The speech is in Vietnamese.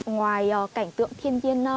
ngoài cảnh tượng thiên nhiên